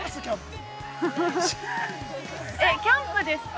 えっ、キャンプですか。